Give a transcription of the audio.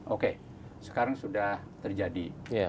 oke sekarang sudah terjadi